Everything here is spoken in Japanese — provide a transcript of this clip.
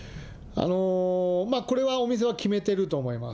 これはお店は決めてると思います。